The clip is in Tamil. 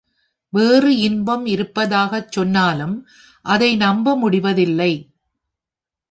வேறு இன்பம் இருப்பதாகச் சொன்னாலும் அதை நம்ப முடிவதில்லை.